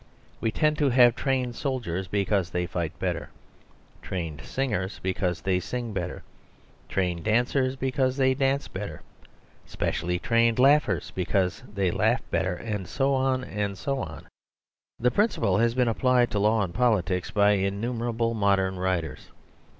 We tend to have trained soldiers because they fight better, trained singers because they sing better, trained dancers because they dance better, specially instructed laughers because they laugh better, and so on and so on. The principle has been applied to law and politics by innumerable modern writers.